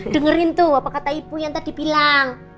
dengerin tuh apa kata ibu yang tadi bilang